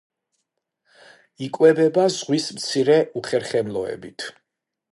იკვებება ზღვის მცირე უხერხემლოებით.